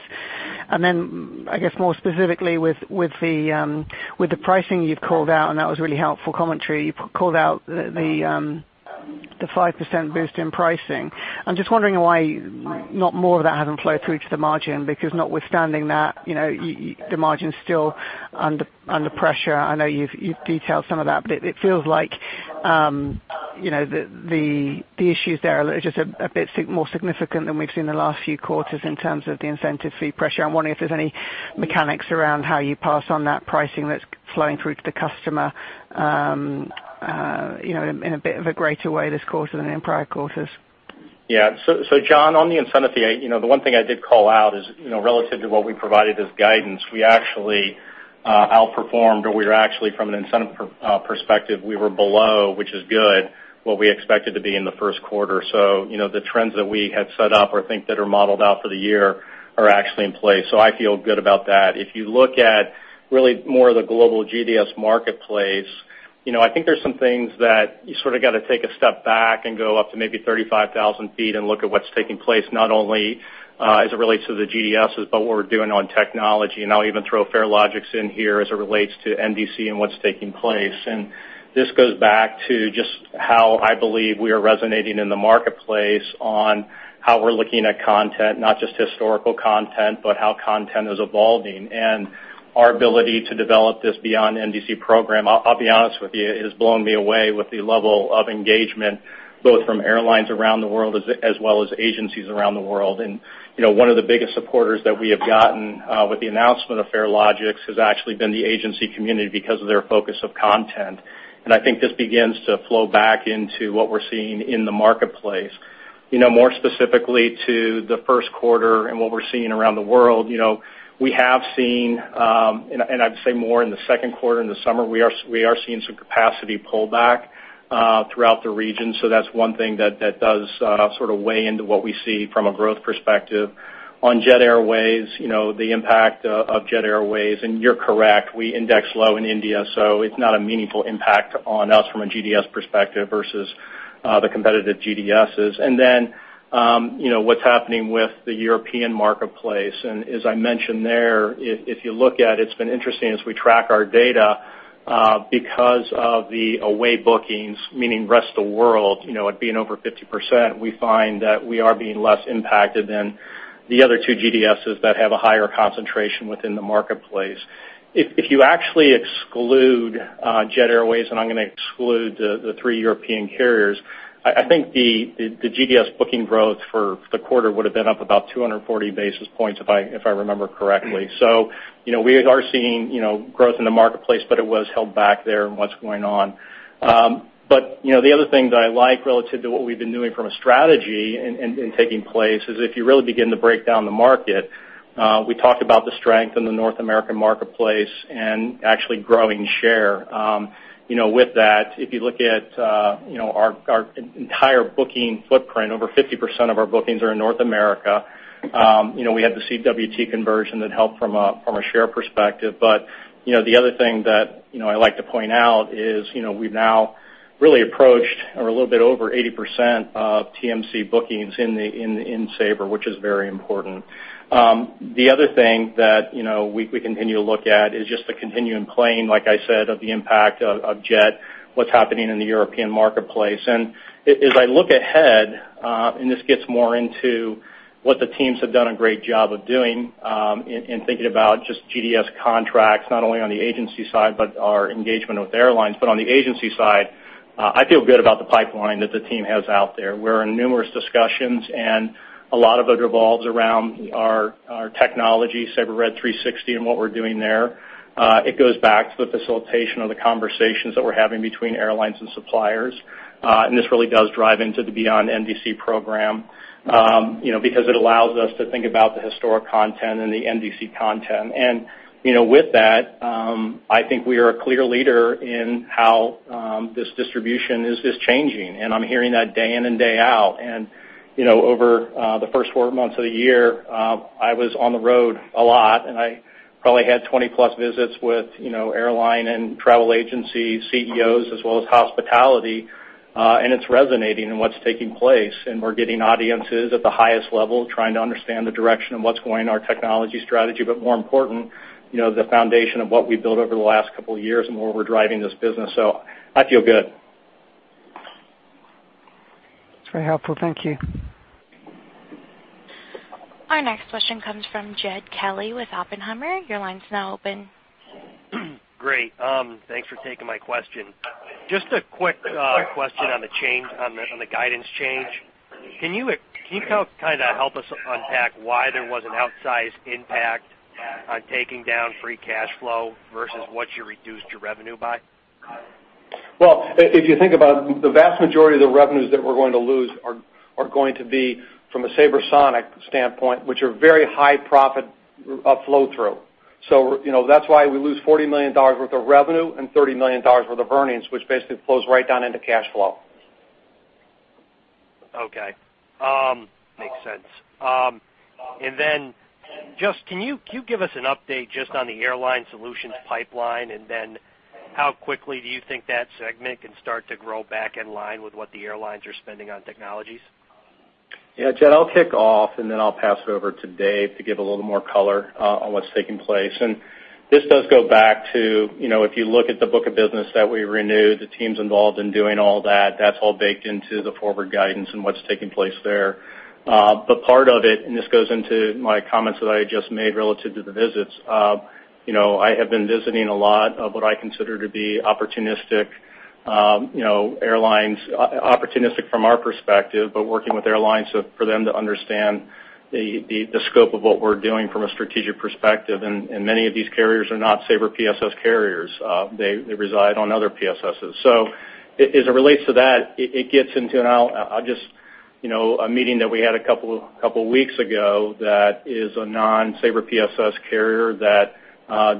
Then I guess more specifically with the pricing you've called out, and that was a really helpful commentary. You called out the 5% boost in pricing. I'm just wondering why not more of that hasn't flowed through to the margin, because notwithstanding that, the margin's still under pressure. I know you've detailed some of that, it feels like the issues there are just a bit more significant than we've seen in the last few quarters in terms of the incentive fee pressure. I'm wondering if there's any mechanics around how you pass on that pricing that's flowing through to the customer in a bit of a greater way this quarter than in prior quarters. Yeah. John, on the incentive fee, the one thing I did call out is relative to what we provided as guidance, we actually outperformed, or we were actually from an incentive perspective, we were below, which is good, what we expected to be in the first quarter. The trends that we had set up or think that are modeled out for the year are actually in place. I feel good about that. If you look at really more of the global GDS marketplace, I think there's some things that you sort of got to take a step back and go up to maybe 35,000 feet and look at what's taking place, not only as it relates to the GDSs, but what we're doing on technology. I'll even throw Farelogix in here as it relates to NDC and what's taking place. This goes back to just how I believe we are resonating in the marketplace on how we're looking at content, not just historical content, but how content is evolving. Our ability to develop this Beyond NDC program, I'll be honest with you, is blowing me away with the level of engagement, both from airlines around the world as well as agencies around the world. One of the biggest supporters that we have gotten with the announcement of Farelogix has actually been the agency community because of their focus on content. I think this begins to flow back into what we're seeing in the marketplace. More specifically to the first quarter and what we're seeing around the world, we have seen, and I'd say more in the second quarter, in the summer, we are seeing some capacity pullback throughout the region. That's one thing that does sort of weigh into what we see from a growth perspective. On Jet Airways, the impact of Jet Airways, and you're correct, we index low in India, so it's not a meaningful impact on us from a GDS perspective versus the competitive GDSs. What's happening with the European marketplace, and as I mentioned there, if you look at it's been interesting as we track our data because of the away bookings, meaning rest of world at being over 50%, we find that we are being less impacted than the other two GDSs that have a higher concentration within the marketplace. If you actually exclude Jet Airways, and I'm going to exclude the three European carriers, I think the GDS booking growth for the quarter would have been up about 240 basis points, if I remember correctly. We are seeing growth in the marketplace, but it was held back there and what's going on. The other thing that I like relative to what we've been doing from a strategy in taking place is if you really begin to break down the market, we talked about the strength in the North American marketplace and actually growing share. With that, if you look at our entire booking footprint, over 50% of our bookings are in North America. We had the CWT conversion that helped from a share perspective. The other thing that I like to point out is we've now really approached or a little bit over 80% of TMC bookings in Sabre, which is very important. The other thing that we continue to look at is just the continuing claim, like I said, of the impact of Jet, what's happening in the European marketplace. As I look ahead, and this gets more into what the teams have done a great job of doing in thinking about just GDS contracts, not only on the agency side, but our engagement with airlines. On the agency side, I feel good about the pipeline that the team has out there. We're in numerous discussions, and a lot of it revolves around our technology, Sabre Red 360 and what we're doing there. It goes back to the facilitation of the conversations that we're having between airlines and suppliers. This really does drive into the Beyond NDC program because it allows us to think about the historic content and the NDC content. With that, I think we are a clear leader in how this distribution is just changing, and I'm hearing that day in and day out. Over the first four months of the year, I was on the road a lot, and I probably had 20-plus visits with airline and travel agency CEOs as well as hospitality, and it's resonating in what's taking place, and we're getting audiences at the highest level trying to understand the direction of what's going in our technology strategy, but more important, the foundation of what we've built over the last couple of years and where we're driving this business. I feel good. It's very helpful. Thank you. Our next question comes from Jed Kelly with Oppenheimer. Your line's now open. Great. Thanks for taking my question. Just a quick question on the guidance change. Can you help us unpack why there was an outsized impact on taking down free cash flow versus what you reduced your revenue by? If you think about the vast majority of the revenues that we're going to lose are going to be from a SabreSonic standpoint, which are very high profit flow through. That's why we lose $40 million worth of revenue and $30 million worth of earnings, which basically flows right down into cash flow. Okay. Makes sense. Can you give us an update just on the Airline Solutions pipeline, how quickly do you think that segment can start to grow back in line with what the airlines are spending on technologies? Yeah, Jed, I'll kick off, then I'll pass it over to Dave to give a little more color on what's taking place. This does go back to, if you look at the book of business that we renewed, the teams involved in doing all that's all baked into the forward guidance and what's taking place there. Part of it, and this goes into my comments that I just made relative to the visits, I have been visiting a lot of what I consider to be opportunistic airlines, opportunistic from our perspective, but working with airlines for them to understand the scope of what we're doing from a strategic perspective. Many of these carriers are not Sabre PSS carriers. They reside on other PSSs. As it relates to that, it gets into a meeting that we had a couple of weeks ago that is a non-Sabre PSS carrier that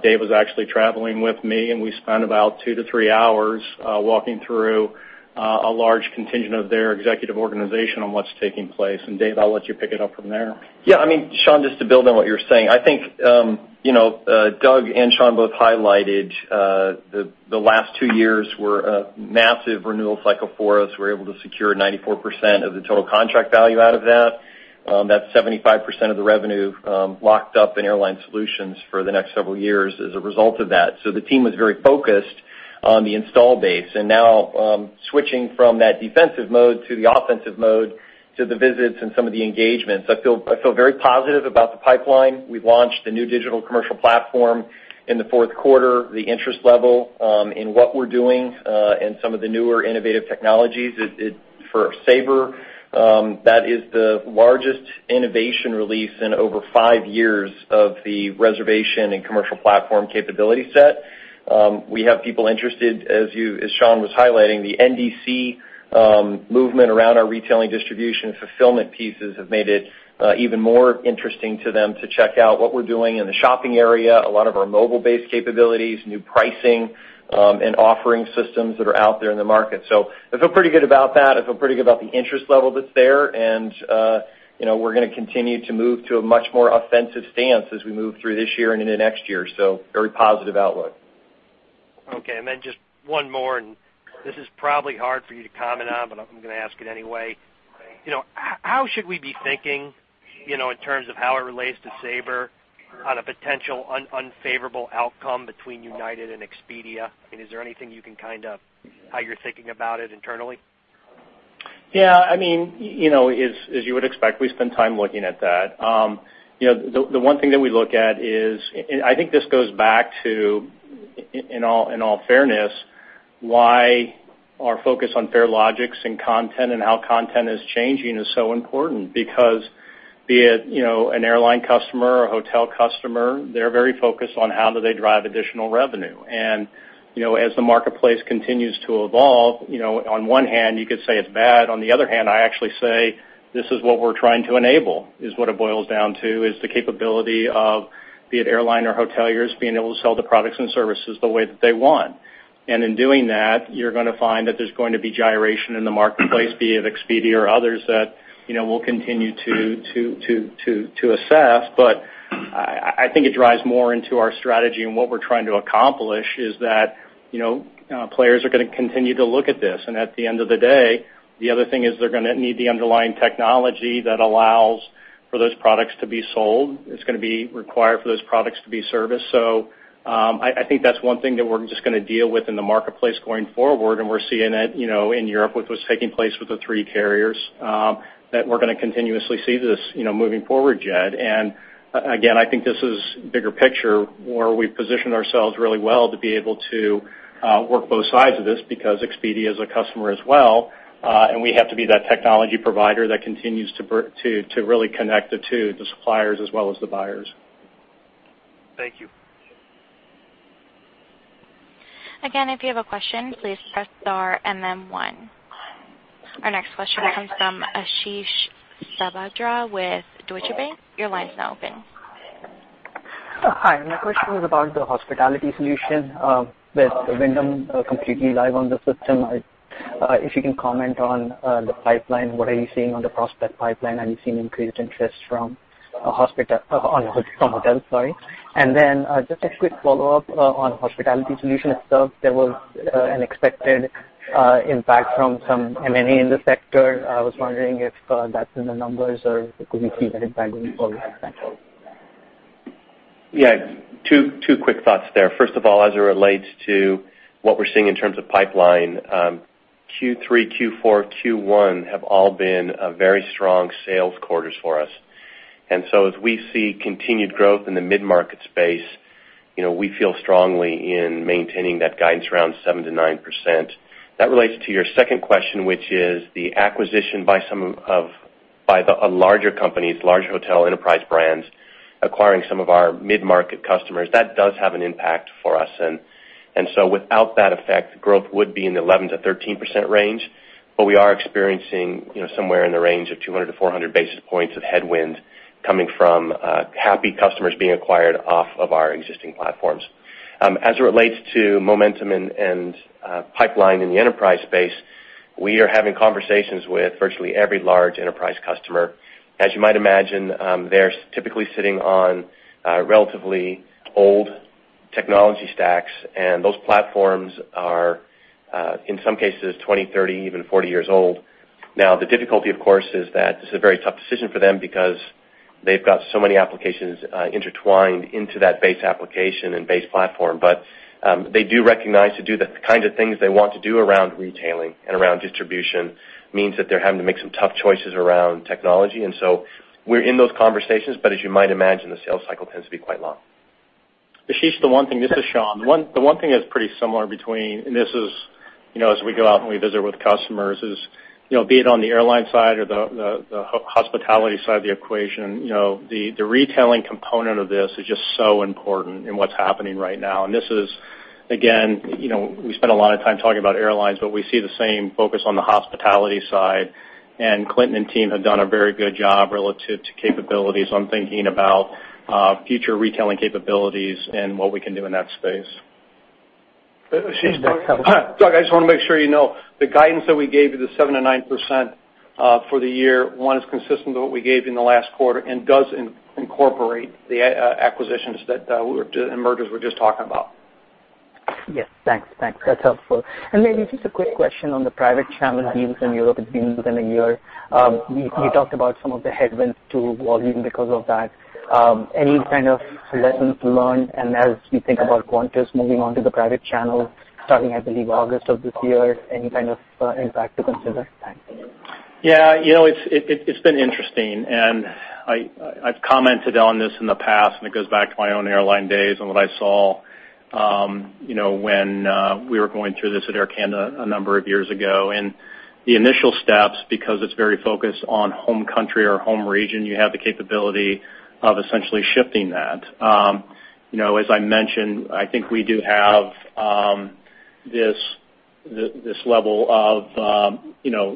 Dave was actually traveling with me, and we spent about two to three hours walking through a large contingent of their executive organization on what's taking place. Dave, I'll let you pick it up from there. Yeah, Sean, just to build on what you're saying, I think Doug and Sean both highlighted the last two years were a massive renewal cycle for us. We were able to secure 94% of the total contract value out of that. That's 75% of the revenue locked up in Airline Solutions for the next several years as a result of that. The team was very focused on the install base. Now, switching from that defensive mode to the offensive mode to the visits and some of the engagements, I feel very positive about the pipeline. We've launched the new digital Commercial Platform in the fourth quarter. The interest level in what we're doing, and some of the newer innovative technologies for Sabre, that is the largest innovation release in over five years of the reservation and commercial platform capability set. We have people interested, as Sean Menke was highlighting, the NDC movement around our retailing distribution fulfillment pieces have made it even more interesting to them to check out what we're doing in the shopping area, a lot of our mobile-based capabilities, new pricing and offering systems that are out there in the market. I feel pretty good about that. I feel pretty good about the interest level that's there. We're going to continue to move to a much more offensive stance as we move through this year and into next year. Very positive outlook. Okay, just one more. This is probably hard for you to comment on. I'm going to ask it anyway. How should we be thinking, in terms of how it relates to Sabre, on a potential unfavorable outcome between United Airlines and Expedia? How you're thinking about it internally? Yeah. As you would expect, we spend time looking at that. The one thing that we look at is, I think this goes back to, in all fairness, why our focus on Farelogix and content and how content is changing is so important because be it an airline customer or a hotel customer, they're very focused on how do they drive additional revenue. As the marketplace continues to evolve, on one hand, you could say it's bad. On the other hand, I actually say this is what we're trying to enable is what it boils down to, is the capability of be it airline or hoteliers being able to sell the products and services the way that they want. In doing that, you're going to find that there's going to be gyration in the marketplace, be it Expedia or others that we'll continue to assess. I think it drives more into our strategy and what we're trying to accomplish is that players are going to continue to look at this. At the end of the day, the other thing is they're going to need the underlying technology that allows for those products to be sold. It's going to be required for those products to be serviced. I think that's one thing that we're just going to deal with in the marketplace going forward. We're seeing it in Europe with what's taking place with the three carriers, that we're going to continuously see this moving forward, Jed Kelly. Again, I think this is bigger picture where we position ourselves really well to be able to work both sides of this because Expedia is a customer as well. we have to be that technology provider that continues to really connect the two, the suppliers as well as the buyers. Thank you. Again, if you have a question, please press star and then one. Our next question comes from Ashish Sabadra with Deutsche Bank. Your line's now open. Hi. My question was about the Hospitality Solutions with Wyndham completely live on the system. If you can comment on the pipeline, what are you seeing on the prospect pipeline? Are you seeing increased interest from hotels? Then just a quick follow-up on Hospitality Solutions itself. There was an expected impact from some M&A in the sector. I was wondering if that's in the numbers or could we see that impact going forward? Thanks. Yeah. Two quick thoughts there. First of all, as it relates to what we're seeing in terms of pipeline, Q3, Q4, Q1 have all been very strong sales quarters for us. As we see continued growth in the mid-market space, we feel strongly in maintaining that guidance around 7%-9%. That relates to your second question, which is the acquisition by the larger companies, large hotel enterprise brands acquiring some of our mid-market customers. That does have an impact for us. Without that effect, growth would be in the 11%-13% range, but we are experiencing somewhere in the range of 200-400 basis points of headwind coming from happy customers being acquired off of our existing platforms. As it relates to momentum and pipeline in the enterprise space, we are having conversations with virtually every large enterprise customer. As you might imagine, they're typically sitting on relatively old technology stacks, and those platforms are, in some cases, 20, 30, even 40 years old. The difficulty, of course, is that this is a very tough decision for them because they've got so many applications intertwined into that base application and base platform. They do recognize to do the kind of things they want to do around retailing and around distribution means that they're having to make some tough choices around technology. We're in those conversations, but as you might imagine, the sales cycle tends to be quite long. Ashish, this is Sean. The one thing that's pretty similar between, and this is as we go out and we visit with customers is, be it on the airline side or the hospitality side of the equation, the retailing component of this is just so important in what's happening right now. This is, again, we spend a lot of time talking about airlines, but we see the same focus on the hospitality side, and Clinton and team have done a very good job relative to capabilities on thinking about future retailing capabilities and what we can do in that space. That's helpful. Doug, I just want to make sure you know the guidance that we gave you, the 7%-9% for the year, one, is consistent with what we gave you in the last quarter and does incorporate the acquisitions and mergers we're just talking about. Yes. Thanks. That's helpful. Maybe just a quick question on the private channel deals in Europe. It's been within a year. You talked about some of the headwinds to volume because of that. Any kind of lessons learned? As we think about Qantas moving on to the private channel starting, I believe, August of this year, any kind of impact to consider? Thanks. Yeah. It's been interesting, I've commented on this in the past, it goes back to my own airline days and what I saw when we were going through this at Air Canada a number of years ago. The initial steps, because it's very focused on home country or home region, you have the capability of essentially shifting that. As I mentioned, I think we do have this level of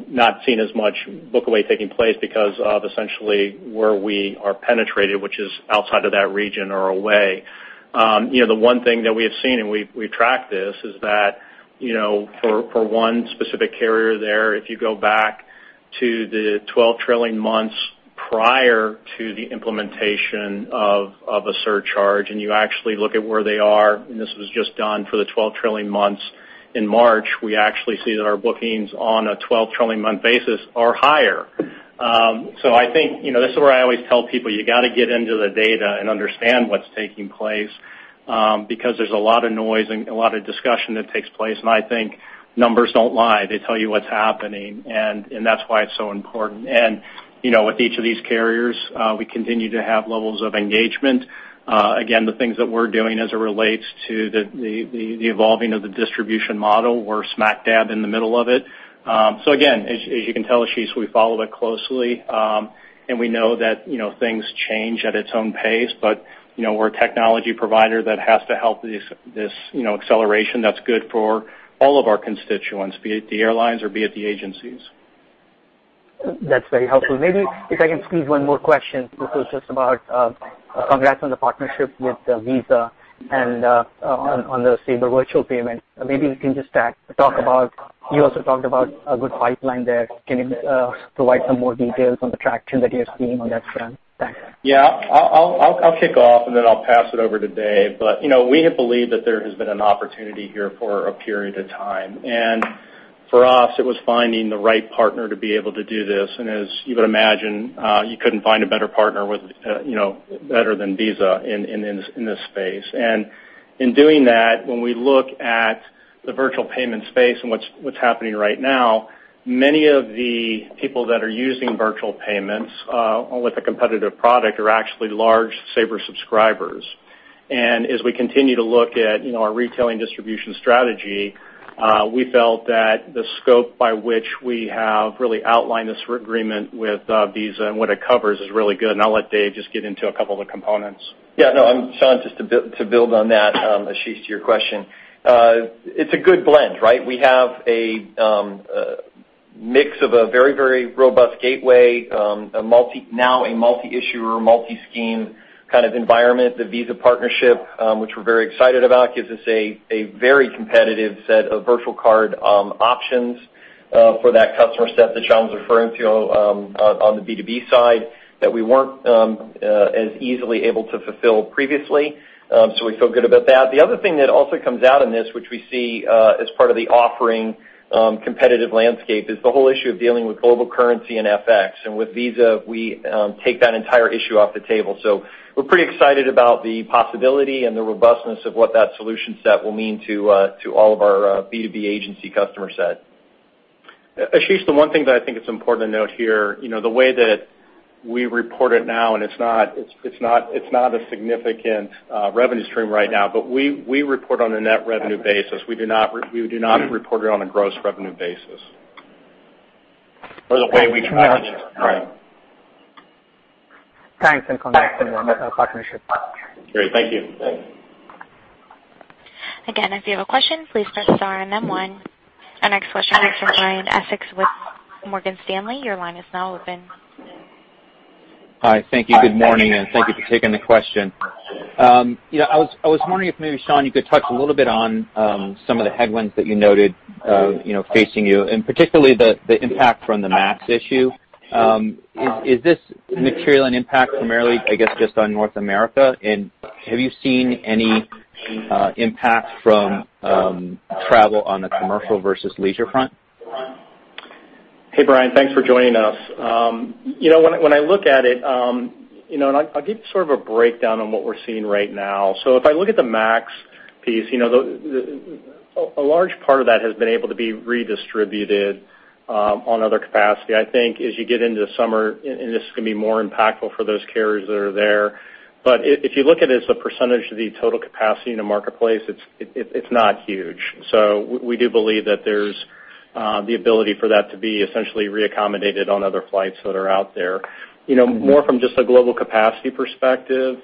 not seeing as much book away taking place because of essentially where we are penetrated, which is outside of that region or away. The one thing that we have seen, we track this, is that for one specific carrier there, if you go back to the 12 trailing months prior to the implementation of a surcharge, you actually look at where they are, this was just done for the 12 trailing months in March, we actually see that our bookings on a 12 trailing month basis are higher. I think this is where I always tell people, you got to get into the data and understand what's taking place because there's a lot of noise and a lot of discussion that takes place, I think numbers don't lie. They tell you what's happening, and that's why it's so important. With each of these carriers, we continue to have levels of engagement. The things that we're doing as it relates to the evolving of the distribution model, we're smack dab in the middle of it. As you can tell, Ashish, we follow it closely, and we know that things change at its own pace. We're a technology provider that has to help this acceleration that's good for all of our constituents, be it the airlines or be it the agencies. That's very helpful. Maybe if I can squeeze one more question. This is just about congrats on the partnership with Visa and on the Sabre Virtual Payments. Maybe you can just talk about. You also talked about a good pipeline there. Can you provide some more details on the traction that you're seeing on that front? Thanks. Yeah. I'll kick off, and then I'll pass it over to Dave. We have believed that there has been an opportunity here for a period of time. For us, it was finding the right partner to be able to do this. As you would imagine, you couldn't find a better partner better than Visa in this space. In doing that, when we look at the virtual payment space and what's happening right now, many of the people that are using virtual payments with a competitive product are actually large Sabre subscribers. As we continue to look at our retailing distribution strategy, we felt that the scope by which we have really outlined this agreement with Visa and what it covers is really good, and I'll let Dave just get into a couple of components. Yeah. No, Sean, just to build on that, Ashish, to your question. It's a good blend, right? Mix of a very, very robust gateway, now a multi-issuer, multi-scheme kind of environment. The Visa partnership, which we're very excited about, gives us a very competitive set of virtual card options for that customer set that Sean was referring to on the B2B side that we weren't as easily able to fulfill previously. We feel good about that. The other thing that also comes out in this, which we see as part of the offering competitive landscape, is the whole issue of dealing with global currency and FX. With Visa, we take that entire issue off the table. We're pretty excited about the possibility and the robustness of what that solution set will mean to all of our B2B agency customer set. Ashish, the one thing that I think is important to note here, the way that we report it now, and it's not a significant revenue stream right now, but we report on a net revenue basis. We do not report it on a gross revenue basis. The way we manage it. Thanks and congrats on the partnership. Great. Thank you. Thanks. Again, if you have a question, please press star and then one. Our next question comes from Brian Essex with Morgan Stanley. Your line is now open. Hi. Thank you. Good morning, and thank you for taking the question. I was wondering if maybe, Sean, you could touch a little bit on some of the headwinds that you noted facing you, and particularly the impact from the MAX issue. Is this material an impact primarily, I guess, just on North America? Have you seen any impact from travel on the commercial versus leisure front? Hey, Brian. Thanks for joining us. When I look at it, and I'll give sort of a breakdown on what we're seeing right now. If I look at the MAX piece, a large part of that has been able to be redistributed on other capacity. I think as you get into the summer, and this is going to be more impactful for those carriers that are there. If you look at it as a percentage of the total capacity in the marketplace, it's not huge. We do believe that there's the ability for that to be essentially reaccommodated on other flights that are out there. More from just a global capacity perspective,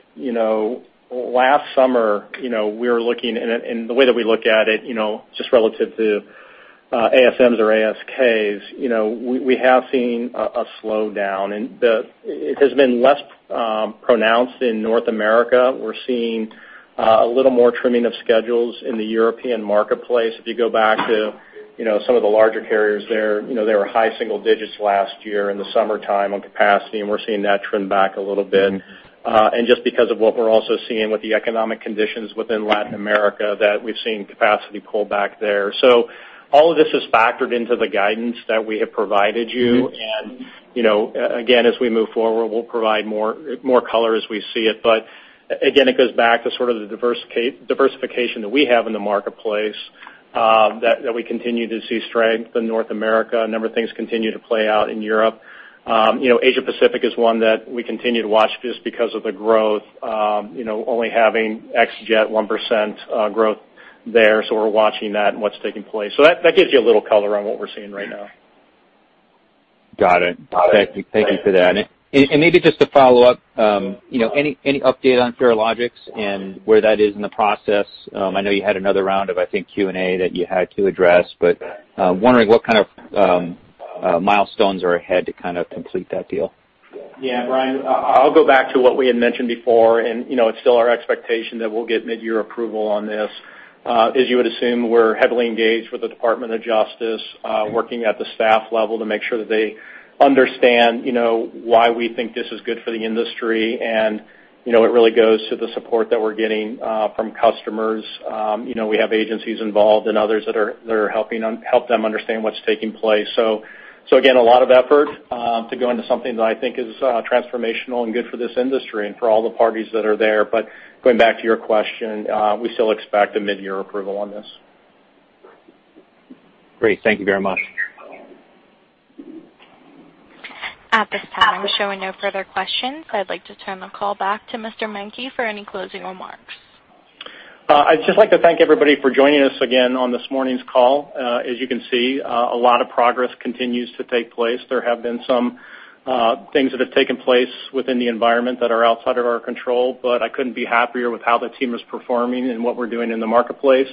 last summer, and the way that we look at it just relative to ASMs or ASK is, we have seen a slowdown, and it has been less pronounced in North America. We're seeing a little more trimming of schedules in the European marketplace. If you go back to some of the larger carriers there, they were high single digits last year in the summertime on capacity, and we're seeing that trim back a little bit. Just because of what we're also seeing with the economic conditions within Latin America, that we've seen capacity pull back there. All of this is factored into the guidance that we have provided you. Again, as we move forward, we'll provide more color as we see it. Again, it goes back to sort of the diversification that we have in the marketplace, that we continue to see strength in North America. A number of things continue to play out in Europe. Asia Pacific is one that we continue to watch just because of the growth, only having X Jet 1% growth there. We're watching that and what's taking place. That gives you a little color on what we're seeing right now. Got it. Thank you for that. Maybe just to follow up, any update on Farelogix and where that is in the process? I know you had another round of, I think, Q&A that you had to address, but wondering what kind of milestones are ahead to kind of complete that deal. Brian, I'll go back to what we had mentioned before. It's still our expectation that we'll get midyear approval on this. As you would assume, we're heavily engaged with the Department of Justice, working at the staff level to make sure that they understand why we think this is good for the industry. It really goes to the support that we're getting from customers. We have agencies involved and others that are helping them understand what's taking place. Again, a lot of effort to go into something that I think is transformational and good for this industry and for all the parties that are there. Going back to your question, we still expect a midyear approval on this. Great. Thank you very much. At this time, we're showing no further questions. I'd like to turn the call back to Mr. Menke for any closing remarks. I'd just like to thank everybody for joining us again on this morning's call. As you can see, a lot of progress continues to take place. There have been some things that have taken place within the environment that are outside of our control, but I couldn't be happier with how the team is performing and what we're doing in the marketplace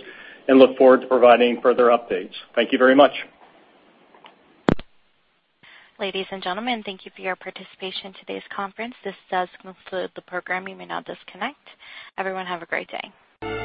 and look forward to providing further updates. Thank you very much. Ladies and gentlemen, thank you for your participation in today's conference. This does conclude the program. You may now disconnect. Everyone, have a great day.